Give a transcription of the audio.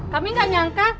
kami gak nyangka